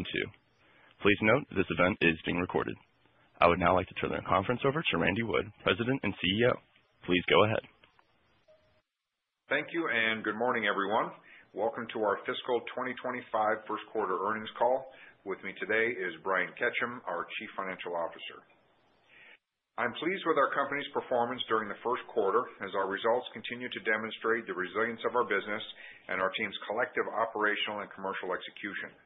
Intro, please note this event is being recorded. I would now like to turn the conference over to Randy Wood, President and CEO. Please go ahead. Thank you and good morning, everyone. Welcome to our fiscal 2025 first quarter earnings call. With me today is Brian Ketcham, our Chief Financial Officer. I'm pleased with our company's performance during the first quarter as our results continue to demonstrate the resilience of our business and our team's collective operational and commercial execution.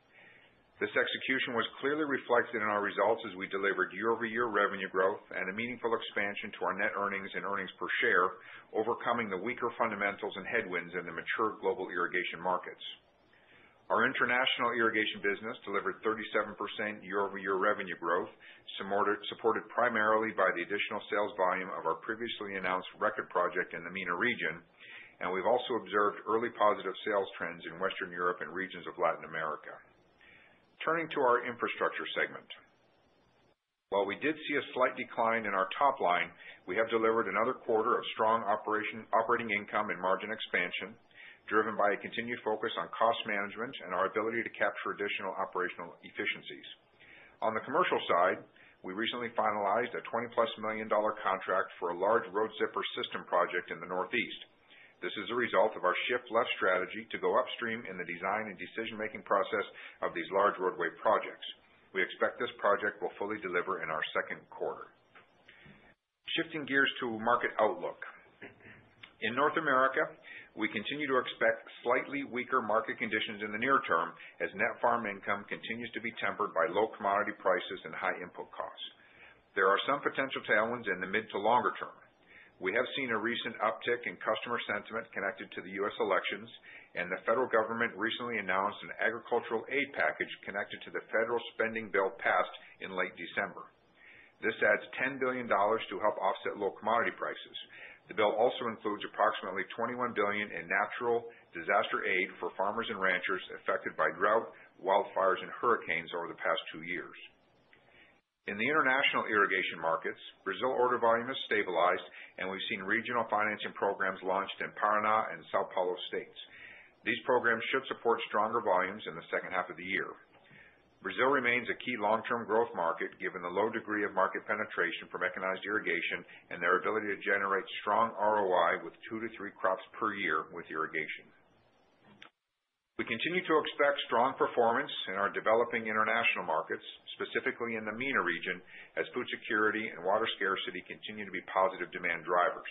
This execution was clearly reflected in our results as we delivered year-over-year revenue growth and a meaningful expansion to our net earnings and earnings per share, overcoming the weaker fundamentals and headwinds in the mature global irrigation markets. Our international irrigation business delivered 37% year-over-year revenue growth, supported primarily by the additional sales volume of our previously announced record project in the MENA region, and we've also observed early positive sales trends in Western Europe and regions of Latin America. Turning to our infrastructure segment, while we did see a slight decline in our top line, we have delivered another quarter of strong operating income and margin expansion, driven by a continued focus on cost management and our ability to capture additional operational efficiencies. On the commercial side, we recently finalized a $20-plus million contract for a large Road Zipper System project in the Northeast. This is a result of our shift-left strategy to go upstream in the design and decision-making process of these large roadway projects. We expect this project will fully deliver in our second quarter. Shifting gears to market outlook, in North America, we continue to expect slightly weaker market conditions in the near term as net farm income continues to be tempered by low commodity prices and high input costs. There are some potential tailwinds in the mid to longer term. We have seen a recent uptick in customer sentiment connected to the U.S. elections, and the federal government recently announced an agricultural aid package connected to the federal spending bill passed in late December. This adds $10 billion to help offset low commodity prices. The bill also includes approximately $21 billion in natural disaster aid for farmers and ranchers affected by drought, wildfires, and hurricanes over the past two years. In the international irrigation markets, Brazil order volume has stabilized, and we've seen regional financing programs launched in Paraná and São Paulo states. These programs should support stronger volumes in the second half of the year. Brazil remains a key long-term growth market given the low degree of market penetration for mechanized irrigation and their ability to generate strong ROI with two to three crops per year with irrigation. We continue to expect strong performance in our developing international markets, specifically in the MENA region, as food security and water scarcity continue to be positive demand drivers.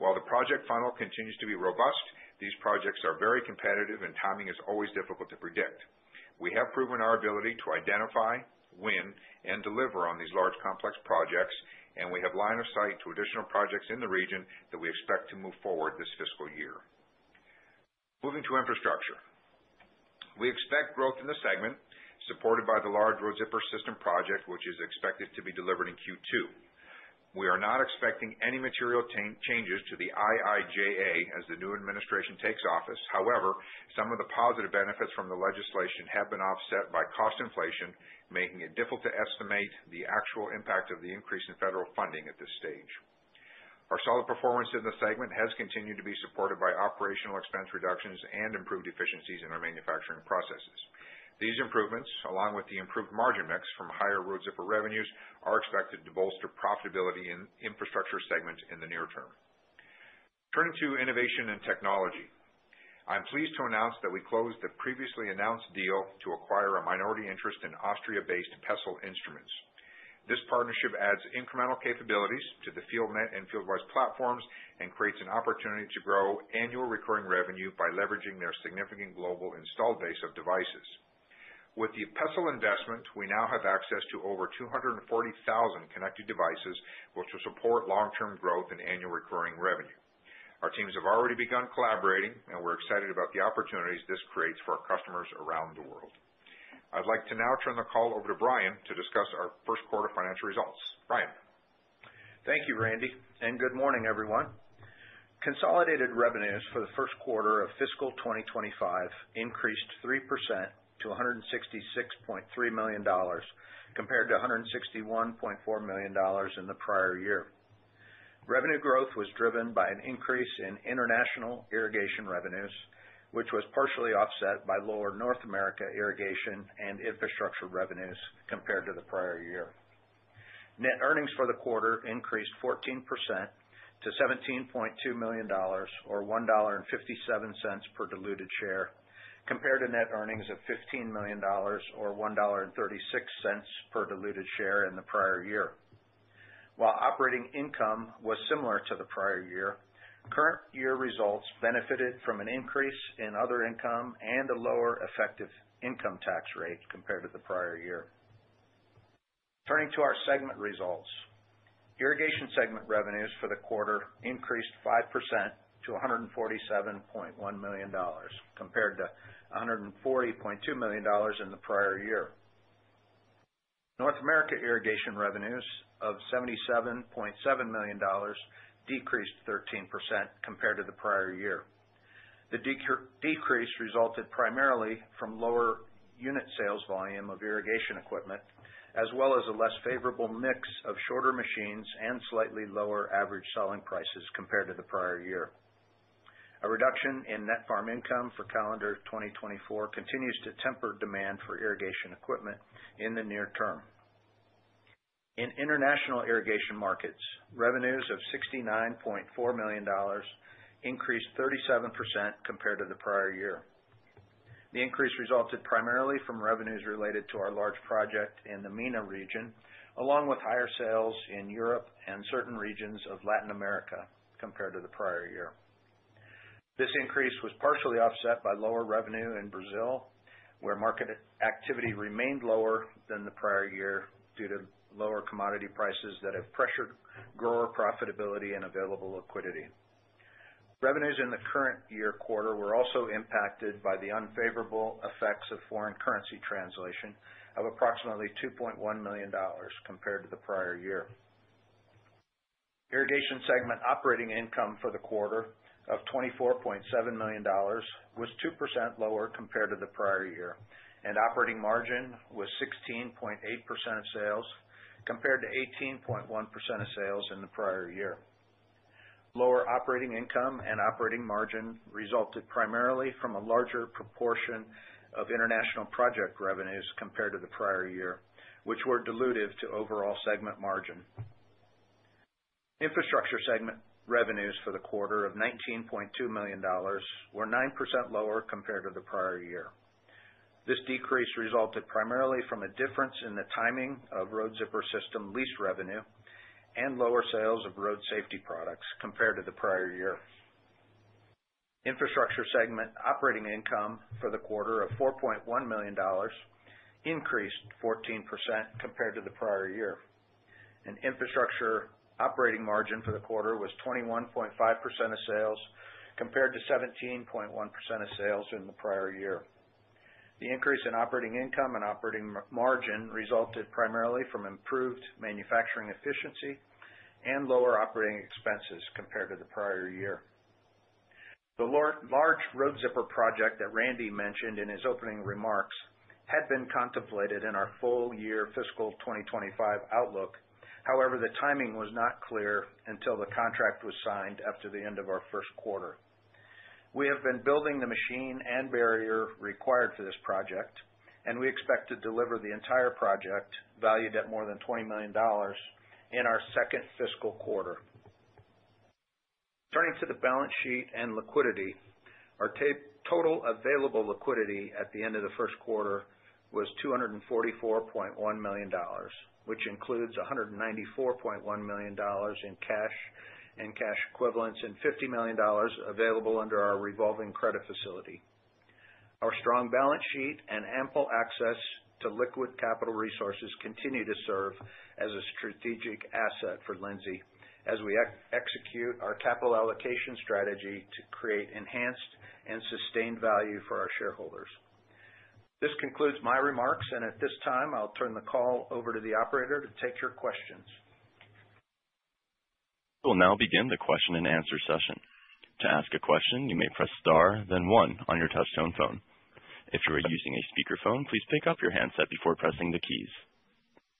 While the project funnel continues to be robust, these projects are very competitive and timing is always difficult to predict. We have proven our ability to identify, win, and deliver on these large complex projects, and we have line of sight to additional projects in the region that we expect to move forward this fiscal year. Moving to infrastructure, we expect growth in the segment, supported by the large Road Zipper System project, which is expected to be delivered in Q2. We are not expecting any material changes to the IIJA as the new administration takes office. However, some of the positive benefits from the legislation have been offset by cost inflation, making it difficult to estimate the actual impact of the increase in federal funding at this stage. Our solid performance in the segment has continued to be supported by operational expense reductions and improved efficiencies in our manufacturing processes. These improvements, along with the improved margin mix from higher Road Zipper revenues, are expected to bolster profitability in the infrastructure segment in the near term. Turning to innovation and technology, I'm pleased to announce that we closed the previously announced deal to acquire a minority interest in Austria-based Pessl Instruments. This partnership adds incremental capabilities to the FieldNET and FieldClimate platforms and creates an opportunity to grow annual recurring revenue by leveraging their significant global installed base of devices. With the Pessl investment, we now have access to over 240,000 connected devices, which will support long-term growth and annual recurring revenue. Our teams have already begun collaborating, and we're excited about the opportunities this creates for our customers around the world. I'd like to now turn the call over to Brian to discuss our first quarter financial results. Brian. Thank you, Randy, and good morning, everyone. Consolidated revenues for the first quarter of fiscal 2025 increased 3% to $166.3 million compared to $161.4 million in the prior year. Revenue growth was driven by an increase in international irrigation revenues, which was partially offset by lower North America irrigation and infrastructure revenues compared to the prior year. Net earnings for the quarter increased 14% to $17.2 million, or $1.57 per diluted share, compared to net earnings of $15 million, or $1.36 per diluted share in the prior year. While operating income was similar to the prior year, current year results benefited from an increase in other income and a lower effective income tax rate compared to the prior year. Turning to our segment results, irrigation segment revenues for the quarter increased 5% to $147.1 million, compared to $140.2 million in the prior year. North America irrigation revenues of $77.7 million decreased 13% compared to the prior year. The decrease resulted primarily from lower unit sales volume of irrigation equipment, as well as a less favorable mix of shorter machines and slightly lower average selling prices compared to the prior year. A reduction in net farm income for calendar 2024 continues to temper demand for irrigation equipment in the near term. In international irrigation markets, revenues of $69.4 million increased 37% compared to the prior year. The increase resulted primarily from revenues related to our large project in the MENA region, along with higher sales in Europe and certain regions of Latin America compared to the prior year. This increase was partially offset by lower revenue in Brazil, where market activity remained lower than the prior year due to lower commodity prices that have pressured grower profitability and available liquidity. Revenues in the current year quarter were also impacted by the unfavorable effects of foreign currency translation of approximately $2.1 million compared to the prior year. Irrigation segment operating income for the quarter of $24.7 million was 2% lower compared to the prior year, and operating margin was 16.8% of sales compared to 18.1% of sales in the prior year. Lower operating income and operating margin resulted primarily from a larger proportion of international project revenues compared to the prior year, which were dilutive to overall segment margin. Infrastructure segment revenues for the quarter of $19.2 million were 9% lower compared to the prior year. This decrease resulted primarily from a difference in the timing of Road Zipper System lease revenue and lower sales of road safety products compared to the prior year. Infrastructure segment operating income for the quarter of $4.1 million increased 14% compared to the prior year. Infrastructure operating margin for the quarter was 21.5% of sales compared to 17.1% of sales in the prior year. The increase in operating income and operating margin resulted primarily from improved manufacturing efficiency and lower operating expenses compared to the prior year. The large road zipper project that Randy mentioned in his opening remarks had been contemplated in our full year fiscal 2025 outlook. However, the timing was not clear until the contract was signed after the end of our first quarter. We have been building the machine and barrier required for this project, and we expect to deliver the entire project valued at more than $20 million in our second fiscal quarter. Turning to the balance sheet and liquidity, our total available liquidity at the end of the first quarter was $244.1 million, which includes $194.1 million in cash and cash equivalents and $50 million available under our revolving credit facility. Our strong balance sheet and ample access to liquid capital resources continue to serve as a strategic asset for Lindsay as we execute our capital allocation strategy to create enhanced and sustained value for our shareholders. This concludes my remarks, and at this time, I'll turn the call over to the operator to take your questions. We'll now begin the question and answer session. To ask a question, you may press star, then one on your touch-tone phone. If you are using a speakerphone, please pick up your handset before pressing the keys.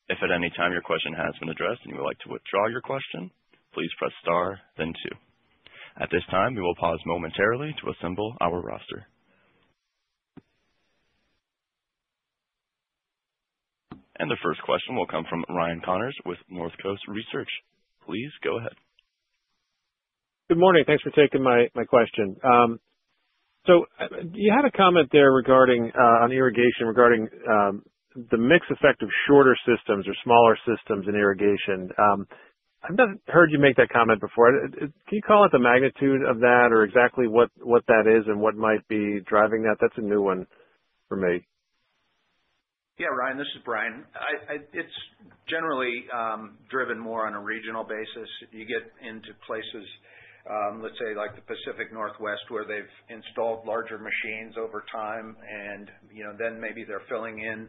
If at any time your question has been addressed and you would like to withdraw your question, please press star, then two. At this time, we will pause momentarily to assemble our roster, and the first question will come from Ryan Connors with North Coast Research. Please go ahead. Good morning. Thanks for taking my question. So you had a comment there regarding irrigation, regarding the mixed effect of shorter systems or smaller systems in irrigation. I've not heard you make that comment before. Can you call it the magnitude of that or exactly what that is and what might be driving that? That's a new one for me. Yeah, Ryan, this is Brian. It's generally driven more on a regional basis. You get into places, let's say like the Pacific Northwest, where they've installed larger machines over time, and then maybe they're filling in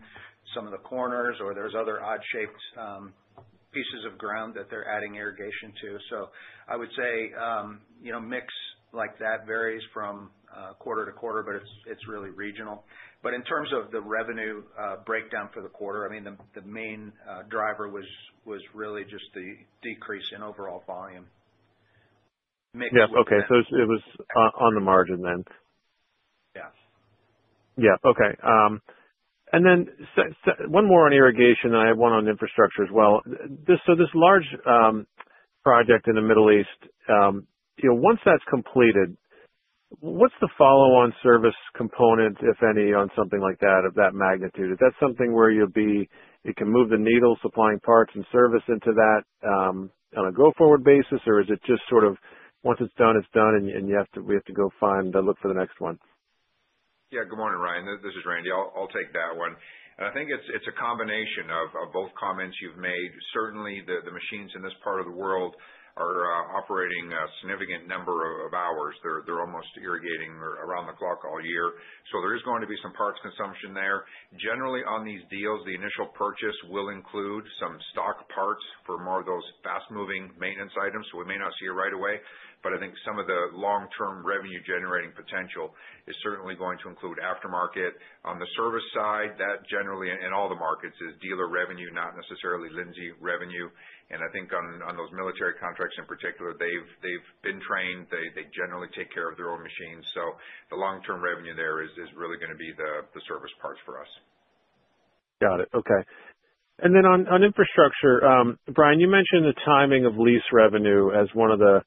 some of the corners or there's other odd-shaped pieces of ground that they're adding irrigation to. So I would say mix like that varies from quarter to quarter, but it's really regional. But in terms of the revenue breakdown for the quarter, I mean, the main driver was really just the decrease in overall volume. Yeah, okay. So it was on the margin then. Yeah. Yeah, okay. And then one more on irrigation, and I have one on infrastructure as well. So this large project in the Middle East, once that's completed, what's the follow-on service component, if any, on something like that of that magnitude? Is that something where you'll be able to move the needle, supplying parts and service into that on a go-forward basis, or is it just sort of once it's done, it's done, and we have to go find and look for the next one? Yeah, good morning, Ryan. This is Randy. I'll take that one. And I think it's a combination of both comments you've made. Certainly, the machines in this part of the world are operating a significant number of hours. They're almost irrigating around the clock all year. So there is going to be some parts consumption there. Generally, on these deals, the initial purchase will include some stock parts for more of those fast-moving maintenance items. We may not see it right away, but I think some of the long-term revenue-generating potential is certainly going to include aftermarket. On the service side, that generally, in all the markets, is dealer revenue, not necessarily Lindsay revenue. And I think on those military contracts in particular, they've been trained. They generally take care of their own machines. So the long-term revenue there is really going to be the service parts for us. Got it. Okay. And then on infrastructure, Brian, you mentioned the timing of lease revenue as one of the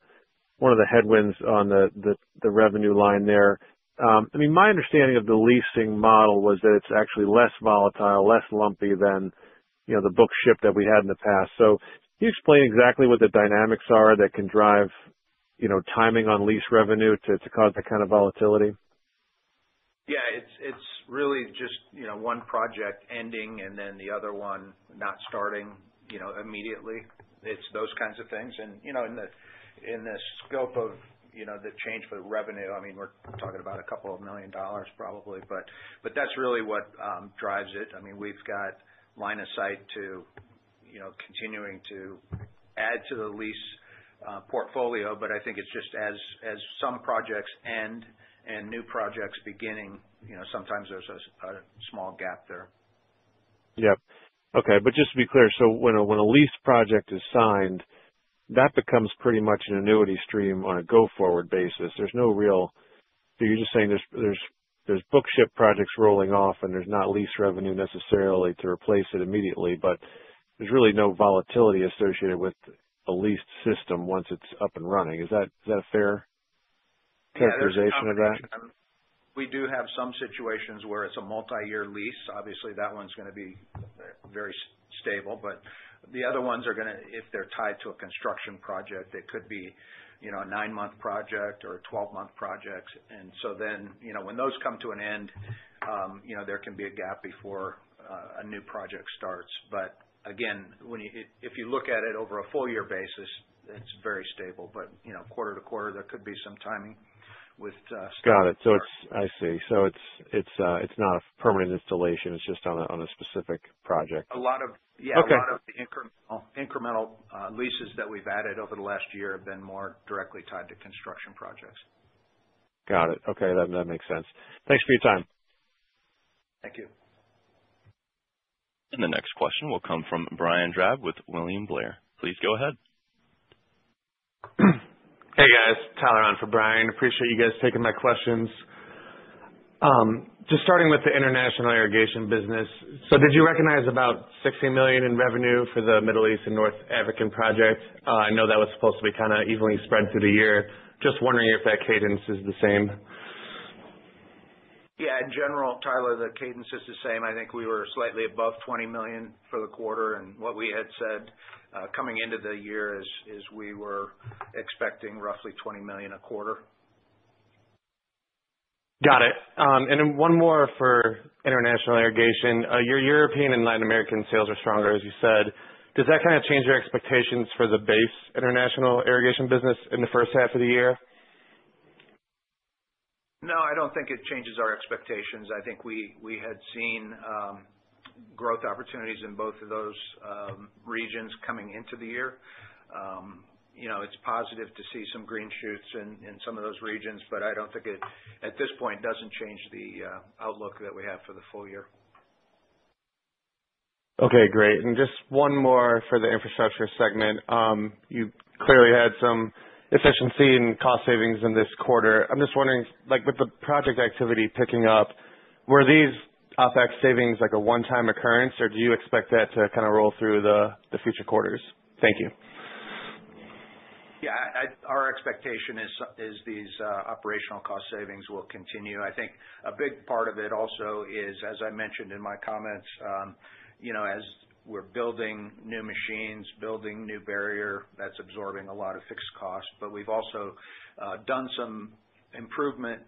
headwinds on the revenue line there. I mean, my understanding of the leasing model was that it's actually less volatile, less lumpy than the bookings that we had in the past. So can you explain exactly what the dynamics are that can drive timing on lease revenue to cause that kind of volatility? Yeah, it's really just one project ending and then the other one not starting immediately. It's those kinds of things. And in the scope of the change for the revenue, I mean, we're talking about $2 million probably, but that's really what drives it. I mean, we've got line of sight to continuing to add to the lease portfolio, but I think it's just as some projects end and new projects begin, sometimes there's a small gap there. Yeah. Okay. But just to be clear, so when a lease project is signed, that becomes pretty much an annuity stream on a go-forward basis. There's no real, so you're just saying there's book-to-ship projects rolling off, and there's not lease revenue necessarily to replace it immediately, but there's really no volatility associated with a leased system once it's up and running. Is that a fair characterization of that? We do have some situations where it's a multi-year lease. Obviously, that one's going to be very stable, but the other ones are going to, if they're tied to a construction project, it could be a nine-month project or a twelve-month project. And so then when those come to an end, there can be a gap before a new project starts. But again, if you look at it over a full-year basis, it's very stable. But quarter to quarter, there could be some timing with. Got it. So I see. So it's not a permanent installation. It's just on a specific project. A lot of the incremental leases that we've added over the last year have been more directly tied to construction projects. Got it. Okay. That makes sense. Thanks for your time. Thank you. And the next question will come from Brian Drab with William Blair. Please go ahead. Hey, guys. Tyler on for Brian. Appreciate you guys taking my questions. Just starting with the international irrigation business, so did you recognize about $60 million in revenue for the Middle East and North African project? I know that was supposed to be kind of evenly spread through the year. Just wondering if that cadence is the same. Yeah. In general, Tyler, the cadence is the same. I think we were slightly above $20 million for the quarter, and what we had said coming into the year is we were expecting roughly $20 million a quarter. Got it. And then one more for international irrigation. Your European and Latin American sales are stronger, as you said. Does that kind of change your expectations for the base international irrigation business in the first half of the year? No, I don't think it changes our expectations. I think we had seen growth opportunities in both of those regions coming into the year. It's positive to see some green shoots in some of those regions, but I don't think it at this point doesn't change the outlook that we have for the full year. Okay. Great. And just one more for the infrastructure segment. You clearly had some efficiency and cost savings in this quarter. I'm just wondering, with the project activity picking up, were these OpEx savings a one-time occurrence, or do you expect that to kind of roll through the future quarters? Thank you. Yeah. Our expectation is these operational cost savings will continue. I think a big part of it also is, as I mentioned in my comments, as we're building new machines, building new barrier, that's absorbing a lot of fixed costs. But we've also done some improvements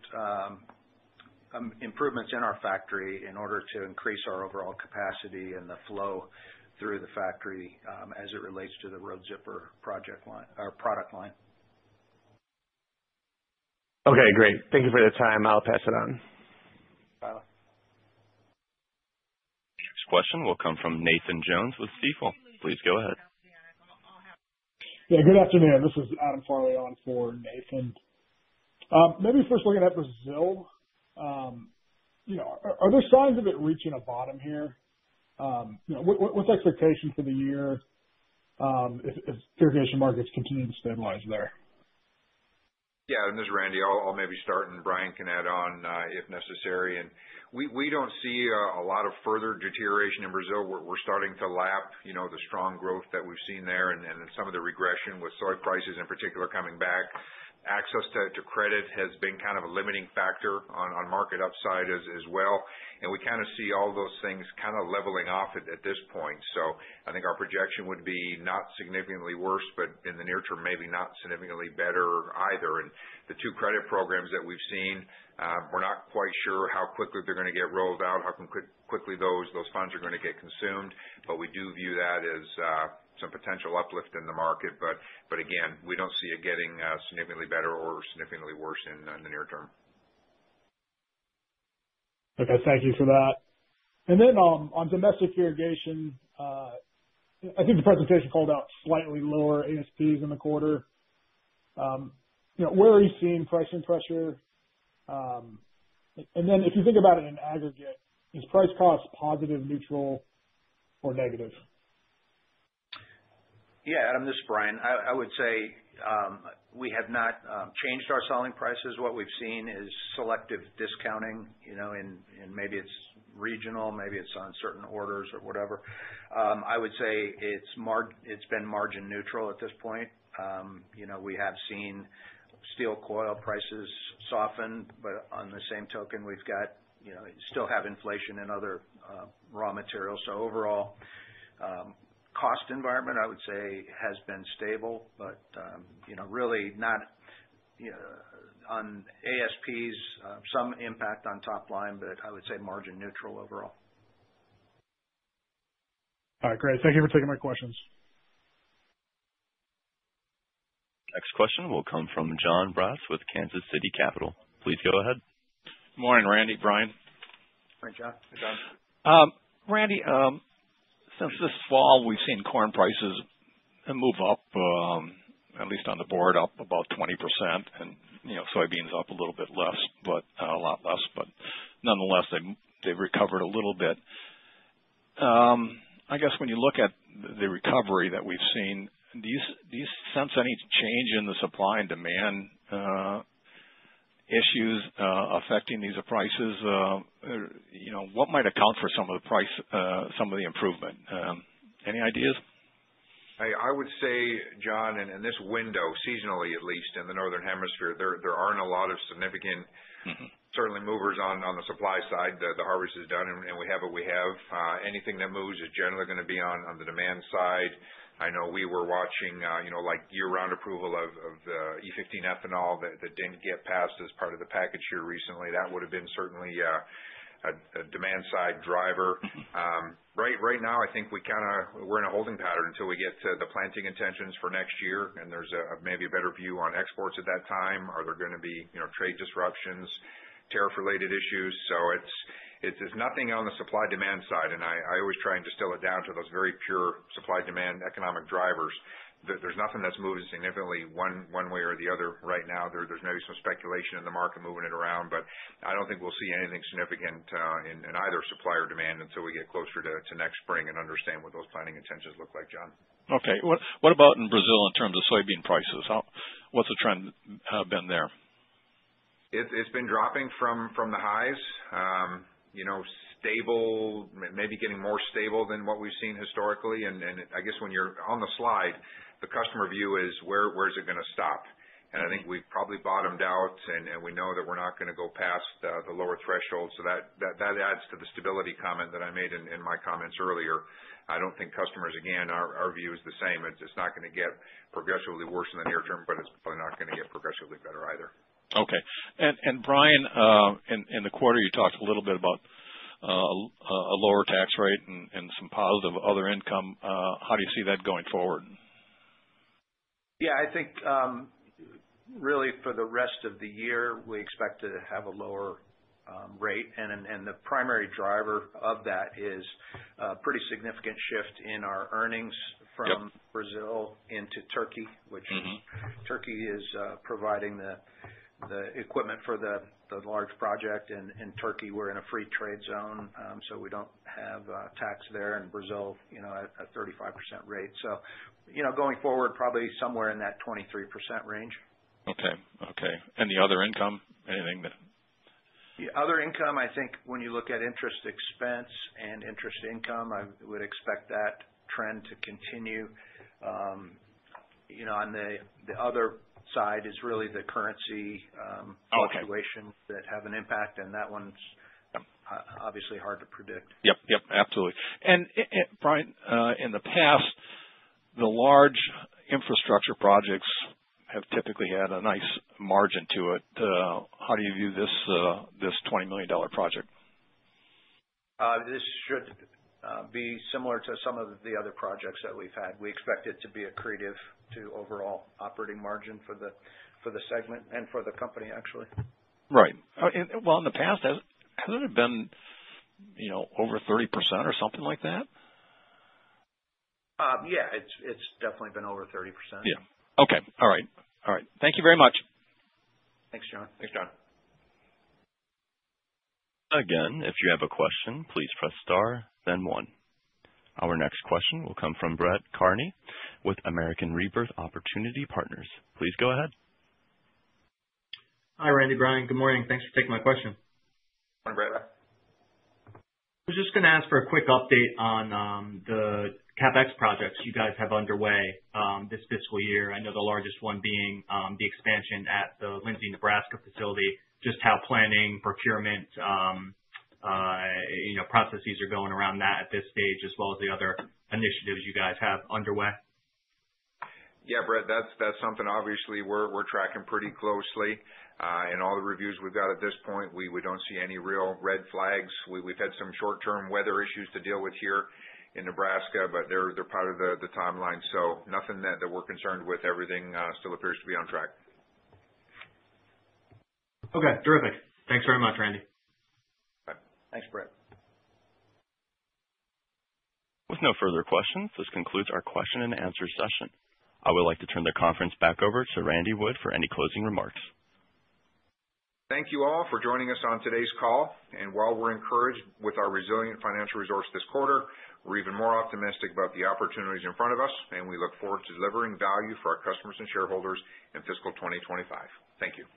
in our factory in order to increase our overall capacity and the flow through the factory as it relates to the Road Zipper project line or product line. Okay. Great. Thank you for the time. I'll pass it on. Bye. The next question will come from Nathan Jones with Stifel. Please go ahead. Yeah. Good afternoon. This is Adam Farley on for Nathan. Maybe first looking at Brazil, are there signs of it reaching a bottom here? What's expectation for the year if irrigation markets continue to stabilize there? Yeah. And this is Randy. I'll maybe start, and Brian can add on if necessary. And we don't see a lot of further deterioration in Brazil. We're starting to lap the strong growth that we've seen there and some of the regression with soy prices in particular coming back. Access to credit has been kind of a limiting factor on market upside as well. And we kind of see all those things kind of leveling off at this point. So I think our projection would be not significantly worse, but in the near term, maybe not significantly better either. And the two credit programs that we've seen, we're not quite sure how quickly they're going to get rolled out, how quickly those funds are going to get consumed, but we do view that as some potential uplift in the market. But again, we don't see it getting significantly better or significantly worse in the near term. Okay. Thank you for that. And then on domestic irrigation, I think the presentation called out slightly lower ASPs in the quarter. Where are you seeing pricing pressure? And then if you think about it in aggregate, is price cost positive, neutral, or negative? Yeah. This is Brian. I would say we have not changed our selling prices. What we've seen is selective discounting, and maybe it's regional, maybe it's on certain orders or whatever. I would say it's been margin neutral at this point. We have seen steel coil prices soften, but on the same token, we've still got inflation in other raw materials. So overall, cost environment, I would say, has been stable, but really not on ASPs, some impact on top line, but I would say margin neutral overall. All right. Great. Thank you for taking my questions. Next question will come from John Brass with Kansas City Capital. Please go ahead. Good morning, Randy. Brian. Hey, John. Hey, John. Randy, since this fall, we've seen corn prices move up, at least on the board, up about 20%, and soybeans up a little bit less, but a lot less. But nonetheless, they've recovered a little bit. I guess when you look at the recovery that we've seen, do you sense any change in the supply and demand issues affecting these prices? What might account for some of the improvement? Any ideas? I would say, John, in this window, seasonally at least in the northern hemisphere, there aren't a lot of significant certainly movers on the supply side. The harvest is done, and we have what we have. Anything that moves is generally going to be on the demand side. I know we were watching year-round approval of the E15 ethanol that didn't get passed as part of the package here recently. That would have been certainly a demand-side driver. Right now, I think we're in a holding pattern until we get to the planting intentions for next year, and there's maybe a better view on exports at that time. Are there going to be trade disruptions, tariff-related issues? So there's nothing on the supply-demand side, and I always try and distill it down to those very pure supply-demand economic drivers. There's nothing that's moving significantly one way or the other right now. There's maybe some speculation in the market moving it around, but I don't think we'll see anything significant in either supply or demand until we get closer to next spring and understand what those planting intentions look like, John. Okay. What about in Brazil in terms of soybean prices? What's the trend been there? It's been dropping from the highs, stable, maybe getting more stable than what we've seen historically. And I guess when you're on the slide, the customer view is, "Where's it going to stop?" And I think we've probably bottomed out, and we know that we're not going to go past the lower threshold. So that adds to the stability comment that I made in my comments earlier. I don't think customers, again, our view is the same. It's not going to get progressively worse in the near term, but it's probably not going to get progressively better either. Okay, and Brian, in the quarter, you talked a little bit about a lower tax rate and some positive other income. How do you see that going forward? Yeah. I think really for the rest of the year, we expect to have a lower rate, and the primary driver of that is a pretty significant shift in our earnings from Brazil into Turkey, which Turkey is providing the equipment for the large project. In Turkey, we're in a free trade zone, so we don't have tax there. In Brazil, a 35% rate, so going forward, probably somewhere in that 23% range. Okay. And the other income? Anything that? The other income, I think when you look at interest expense and interest income, I would expect that trend to continue. On the other side is really the currency fluctuations that have an impact, and that one's obviously hard to predict. Yep. Yep. Absolutely. And Brian, in the past, the large infrastructure projects have typically had a nice margin to it. How do you view this $20 million project? This should be similar to some of the other projects that we've had. We expect it to be accretive to overall operating margin for the segment and for the company, actually. Right. Well, in the past, hasn't it been over 30% or something like that? Yeah. It's definitely been over 30%. Yeah. Okay. All right. All right. Thank you very much. Thanks, John. Thanks, John. Again, if you have a question, please press star, then one. Our next question will come from Brett Kearney with American Rebirth Opportunity Partners. Please go ahead. Hi, Randy. Brian, good morning. Thanks for taking my question. Morning, Brad. I was just going to ask for a quick update on the CapEx projects you guys have underway this fiscal year. I know the largest one being the expansion at the Lindsay, Nebraska facility. Just how planning, procurement, processes are going around that at this stage, as well as the other initiatives you guys have underway? Yeah, Brett, that's something obviously we're tracking pretty closely. In all the reviews we've got at this point, we don't see any real red flags. We've had some short-term weather issues to deal with here in Nebraska, but they're part of the timeline. So nothing that we're concerned with. Everything still appears to be on track. Okay. Terrific. Thanks very much, Randy. Thanks, Brett. With no further questions, this concludes our question-and-answer session. I would like to turn the conference back over to Randy Wood for any closing remarks. Thank you all for joining us on today's call. While we're encouraged with our resilient financial results this quarter, we're even more optimistic about the opportunities in front of us, and we look forward to delivering value for our customers and shareholders in fiscal 2025. Thank you.